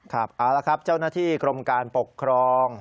ครับเอาละครับเจ้าหน้าที่กรมการปกครอง